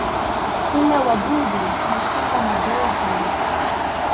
Hula wadudu na tunda madogo.